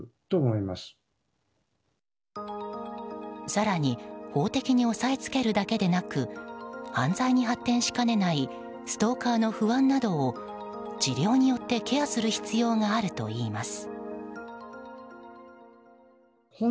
更に法的に押さえつけるだけでなく犯罪に発展しかねないストーカーの不安などを治療によってケアする必要があるといいます。